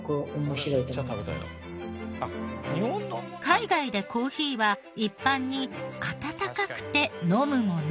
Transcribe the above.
海外でコーヒーは一般に温かくて飲むもの。